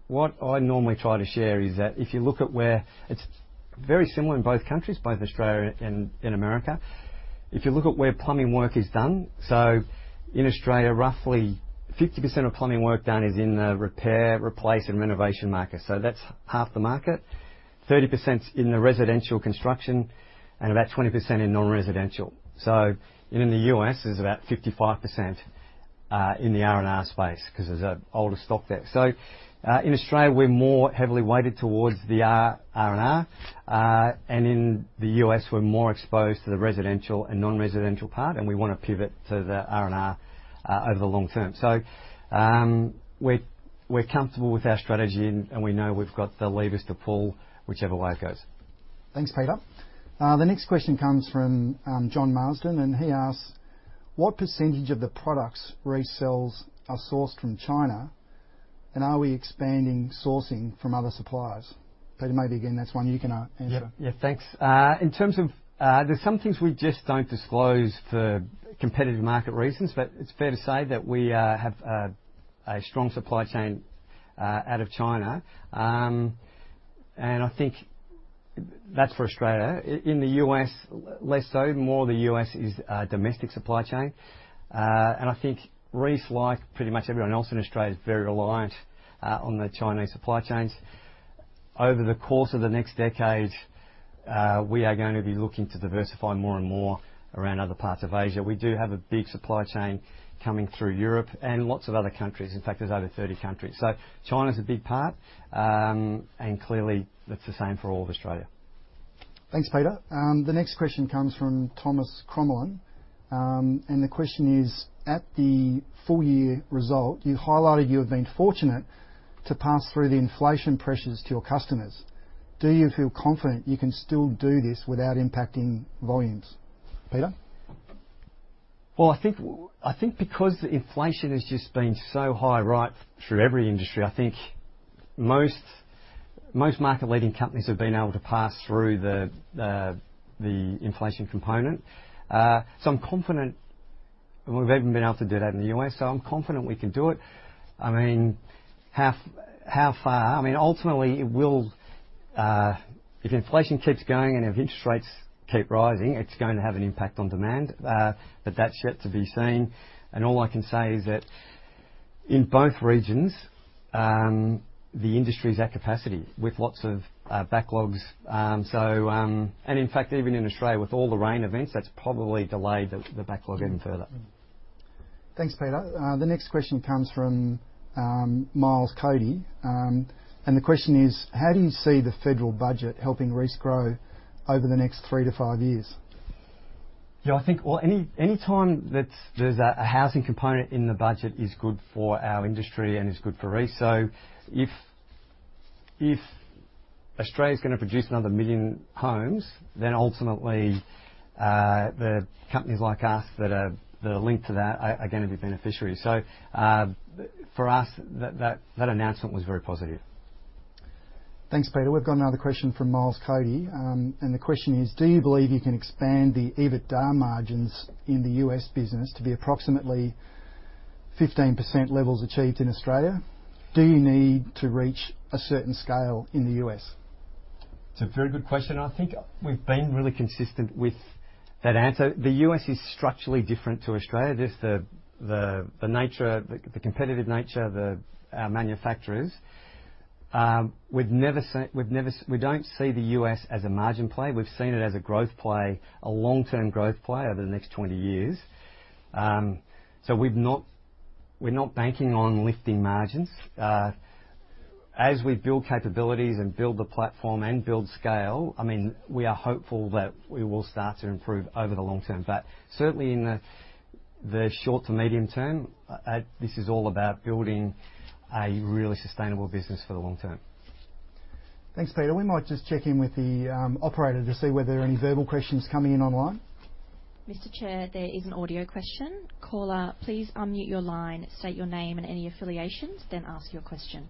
what I normally try to share is that it's very similar in both countries, both Australia and America. If you look at where plumbing work is done, in Australia, roughly 50% of plumbing work done is in the repair, replace, and renovation market. That's half the market. 30% is in the residential construction, and about 20% in non-residential. In the US, it's about 55% in the R&R space 'cause there's an older stock there. In Australia, we're more heavily weighted towards the R&R. In the U.S., we're more exposed to the residential and non-residential part, and we wanna pivot to the R&R over the long term. We're comfortable with our strategy and we know we've got the levers to pull whichever way it goes. Thanks, Peter. The next question comes from John Marsden, and he asks, "What percentage of the products Reece sells are sourced from China? And are we expanding sourcing from other suppliers?" Peter, maybe again, that's one you can answer. Yeah. Yeah, thanks. In terms of, there's some things we just don't disclose for competitive market reasons, but it's fair to say that we have a strong supply chain out of China. And I think that's for Australia. In the U.S., less so. More of the U.S. is a domestic supply chain. And I think Reece, like pretty much everyone else in Australia, is very reliant on the Chinese supply chains. Over the course of the next decade, we are gonna be looking to diversify more and more around other parts of Asia. We do have a big supply chain coming through Europe and lots of other countries. In fact, there's over 30 countries. So China's a big part, and clearly that's the same for all of Australia. Thanks, Peter. The next question comes from Thomas Crommelin. The question is, "At the full year result, you highlighted you have been fortunate to pass through the inflation pressures to your customers. Do you feel confident you can still do this without impacting volumes?" Peter? Well, I think because inflation has just been so high right through every industry, I think most market-leading companies have been able to pass through the inflation component. So I'm confident. We've even been able to do that in the U.S., so I'm confident we can do it. I mean, how far? I mean, ultimately it will. If inflation keeps going, and if interest rates keep rising, it's going to have an impact on demand, but that's yet to be seen. All I can say is that in both regions, the industry is at capacity with lots of backlogs. In fact, even in Australia, with all the rain events, that's probably delayed the backlog even further. Thanks, Peter. The next question comes from Miles Cody. The question is, "How do you see the federal budget helping Reece grow over the next three to five years? Yeah, I think. Well, any time that there's a housing component in the budget is good for our industry and is good for Reece. If Australia's gonna produce another 1 million homes, then ultimately, the companies like us that are linked to that are gonna be beneficiaries. For us, that announcement was very positive. Thanks, Peter. We've got another question from Miles Cody. The question is, "Do you believe you can expand the EBITDA margins in the U.S. business to be approximately 15% levels achieved in Australia? Do you need to reach a certain scale in the U.S.? It's a very good question. I think we've been really consistent with that answer. The U.S. is structurally different to Australia, just the nature, the competitive nature of our manufacturers. We don't see the U.S. as a margin play. We've seen it as a growth play, a long-term growth play over the next 20 years. We're not banking on lifting margins. As we build capabilities and build the platform and build scale, I mean, we are hopeful that we will start to improve over the long term. Certainly in the short to medium term, this is all about building a really sustainable business for the long term. Thanks, Peter. We might just check in with the operator to see whether there are any verbal questions coming in online. Mr. Chair, there is an audio question. Caller, please unmute your line, state your name and any affiliations, then ask your question.